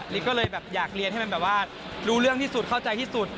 ก็เลยแบบอยากเรียนให้มันแบบว่ารู้เรื่องที่สุดเข้าใจที่สุด